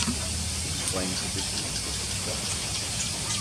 His playing position is prop.